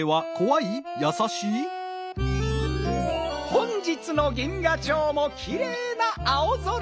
本日の銀河町もきれいな青空。